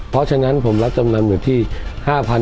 เพราะฉะนั้นผมรับจำนำอยู่ที่๕๐๐บาท